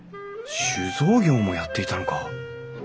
酒造業もやっていたのか！